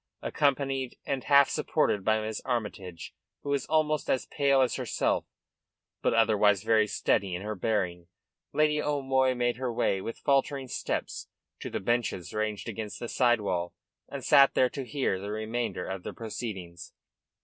Accompanied and half supported by Miss Armytage, who was almost as pale as herself, but otherwise very steady in her bearing, Lady O'Moy made her way, with faltering steps to the benches ranged against the side wall, and sat there to hear the remainder of the proceedings.